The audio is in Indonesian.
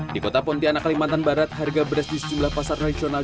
di kota pontianak kalimantan barat harga beras di sejumlah pasar nasional